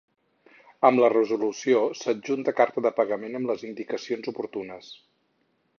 Amb la resolució s'adjunta carta de pagament amb les indicacions oportunes.